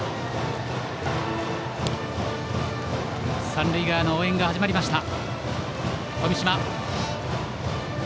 三塁側の応援が始まりました。